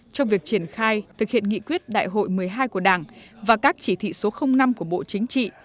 trong việc triển khai thực hiện nghị quyết đại hội một mươi hai của đảng và các chỉ thị số năm của bộ chính trị